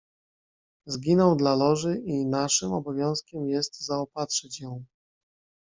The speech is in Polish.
"Zginął dla Loży i naszym, obowiązkiem jest zaopatrzyć ją."